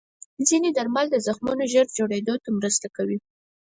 ځینې درمل د زخمونو ژر جوړېدو ته مرسته کوي.